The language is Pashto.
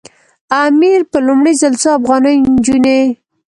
امیر په لومړي ځل څو افغاني نجونې.